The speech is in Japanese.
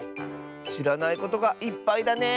しらないことがいっぱいだね。